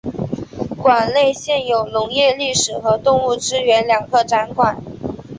馆内现有农业历史和动物资源两个展馆。